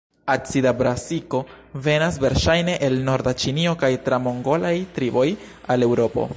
Acida brasiko venas verŝajne el norda Ĉinio kaj tra mongolaj triboj al Eŭropo.